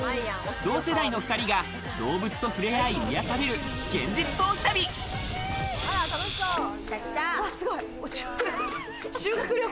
同世代の２人が動物と触れ合い癒される、現実逃避旅。